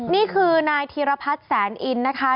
นี่คือนายธีรพัฒน์แสนอินนะคะ